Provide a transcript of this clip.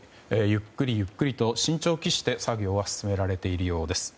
ゆっくりゆっくりと慎重を期して作業は進められているようです。